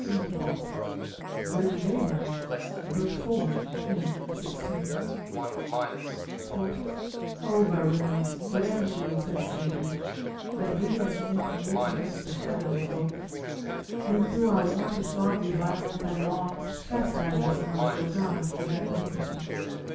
Rigveda, iv, 16. O Varuna, whatever the offence may be That we as men commit against the heavenly folk, When through our want of thought we violate thy laws, Chastise us not, O god, for that iniquity.